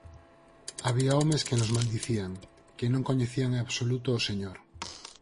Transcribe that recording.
Había homes que nos maldicían, que non coñecían en absoluto ó Señor.